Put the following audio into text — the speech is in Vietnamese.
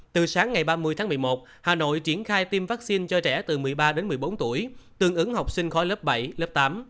từ sáng ngày ba mươi tháng một mươi một hà nội triển khai tiêm vaccine cho trẻ từ một mươi ba đến một mươi bốn tuổi tương ứng học sinh khỏi lớp bảy lớp tám